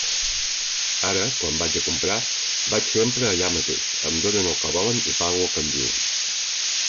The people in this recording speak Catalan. Ara, quan vaig a comprar, vaig sempre allà mateix, em donen el que volen i pago el que em diuen.